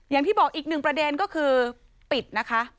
อย่างที่บอกอีกหนึ่งประเด็นก็คือปิดนะคะ